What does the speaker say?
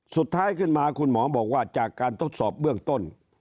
สุดท้ายขึ้นมาคุณหมอบอกว่าจากการทดสอบเบื้องต้น